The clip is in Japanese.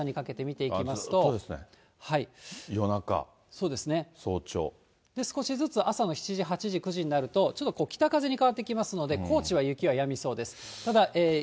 ずっとですね、少しずつ朝の７時、８時、９時になると、ちょっと北風に変わってきますので、高知は雪はやみそうです。